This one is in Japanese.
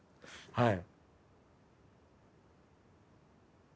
はい。